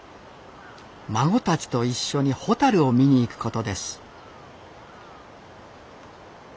孫たちと一緒にホタルを見に行くことです